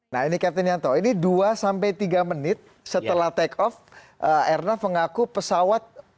nah ini captain yanto ini dua sampai tiga menit setelah take off airnav mengaku pesawat